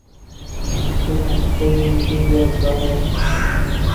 Peoples Party کا یا مسلم لیگ کا؟